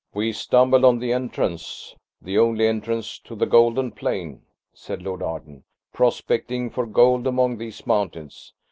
"We stumbled on the entrance, the only entrance to the golden plain," said Lord Arden, "prospecting for gold among these mountains.